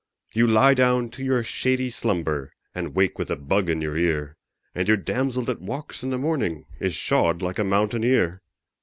You lie down to your shady slumber And wake with a bug in your ear, And your damsel that walks in the morning Is shod like a mountaineer.